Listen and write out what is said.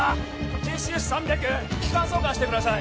ＪＣＳ３００気管挿管してください